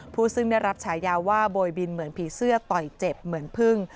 ซึ่งได้รับฉายาว่าโบยบินเหมือนผีเสื้อต่อยเจ็บเหมือนพึ่ง